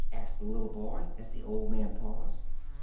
asked the little boy, as the old man paused.